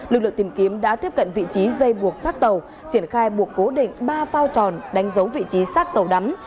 lực lượng tìm kiếm đã tiếp cận vị trí dây buộc sát tàu triển khai buộc cố định ba phao tròn đánh dấu vị trí xác tàu đắm